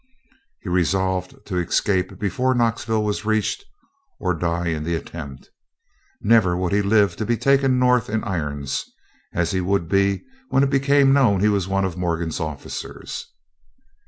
He resolved to escape before Knoxville was reached, or die in the attempt. Never would he live to be taken North in irons, as he would be when it became known that he was one of Morgan's officers.